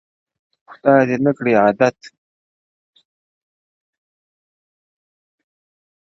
خدای دي نه کړي څوک عادت په بدي چاري-